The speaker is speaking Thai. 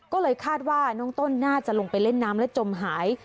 ก็เลยคาดว่าน้องต้นน่าจะลงไปเล่นน้ำและจมหาย